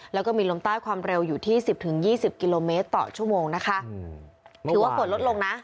แล้วก็มีลมใต้ความเร็วอยู่ที่สิบถึงยี่สิบกิโลเมตรต่อชั่วโมงนะคะถือว่าฝนลดลงนะ